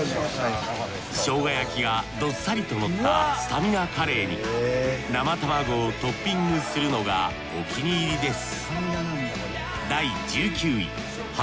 ショウガ焼きがどっさりとのったスタミナカレーに生卵をトッピングするのがお気に入りです